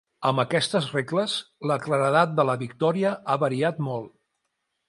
Amb aquestes regles, la claredat de la victòria ha variat molt.